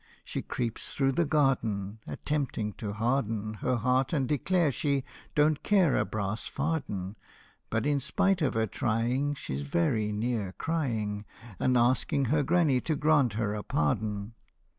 She creeps through the garden, Attempting to harden Her heart, and declare she " Don't care a brass farden." But, in spite of her trying, She 's very near crying, And asking her granny to grant her a pardon.